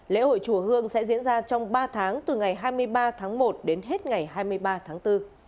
lễ hội chùa hương sẽ diễn ra trong ba tháng từ ngày hai mươi ba tháng một đến hết ngày hai mươi ba tháng bốn